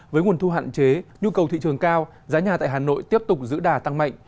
với nguồn thu hạn chế nhu cầu thị trường cao giá nhà tại hà nội tiếp tục giữ đà tăng mạnh